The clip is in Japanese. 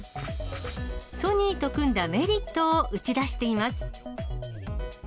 ソニーと組んだメリットを打ち出しています。